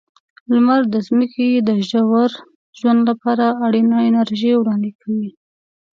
لمر د ځمکې د ژور ژوند لپاره اړینه انرژي وړاندې کوي.